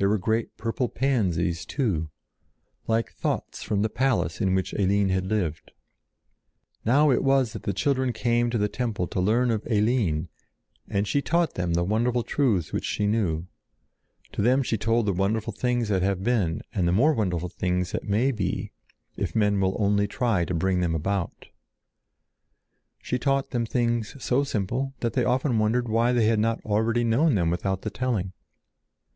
There were great purple pansies, too, like thoughts from the palace in which Eline had lived. Now it was that the children came to the temple to learn of Eline, and she taught them the wonderful truths which she knew; to them she told the wonderful things that have been and the more wonderful things that may be, if men will only try to bring them about. She taught them things so simple that they often wondered why they had not already known them without the telling.